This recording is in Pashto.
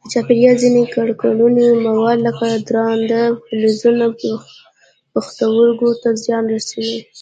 د چاپېریال ځیني ککړونکي مواد لکه درانده فلزونه پښتورګو ته زیان رسوي.